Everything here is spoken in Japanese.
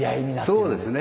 そうですね。